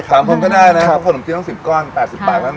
๓คนก็ได้นะขนมจีนต้อง๑๐ก้อน๘๐บาทเท่านั้นเอง